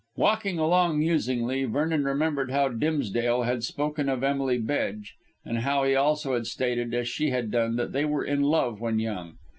Walking along musingly, Vernon remembered how Dimsdale had spoken of Emily Bedge, and how he also had stated, as she had done, that they were in love when young.